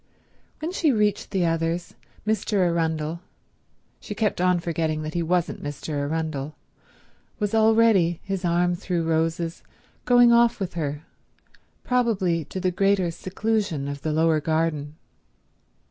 When she reached the others Mr. Arundel—she kept on forgetting that he wasn't Mr. Arundel—was already, his arm through Rose's, going off with her, probably to the greater seclusion of the lower garden.